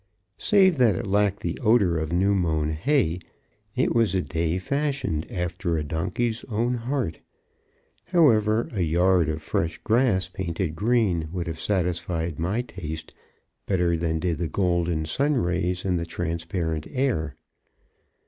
Save that it lacked the odor of new mown hay, it was a day fashioned after a donkey's own heart. However, a yard of fresh grass painted green would have satisfied my taste better than did the golden sun rays and the transparent air.